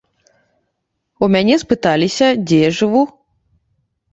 У мяне спыталіся, дзе жыву.